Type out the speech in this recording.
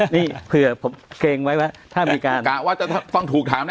นี่เพื่อผมเกงไว้ว่าถ้ามีการว่าจะฟังถูกถามได้